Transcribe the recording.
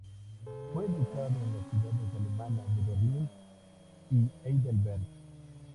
Fue educado en las ciudades alemanas de Berlín y Heidelberg.